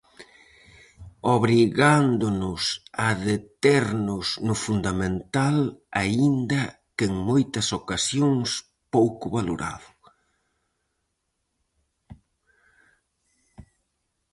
Obrigándonos a deternos no fundamental aínda que en moitas ocasións pouco valorado.